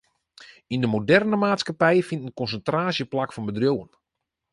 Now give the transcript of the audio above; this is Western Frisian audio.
Yn de moderne maatskippij fynt in konsintraasje plak fan bedriuwen.